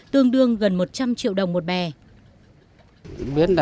tương đương gần một trăm linh triệu đồng một bè